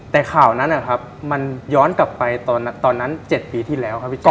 แต่ข่าวนั้นนะครับมันย้อนกลับไปตอนนั้น๗ปีที่แล้วครับพี่แจ